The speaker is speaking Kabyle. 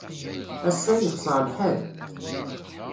Ass-a, yexṣer lḥal.